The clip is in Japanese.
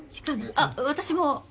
あっ私も。